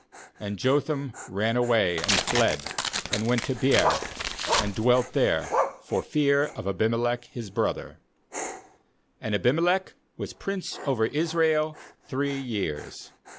21And Jotham ran away, and fled, and went to Beer, and dwelt there, for fear of Abimelech his brother. ^And Abimelech was prince over Israel three years.